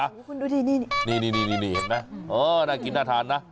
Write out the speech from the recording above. คุณดูดินี่นี่นี่นี่เห็นไหมหน้ากินหน้าทานนะ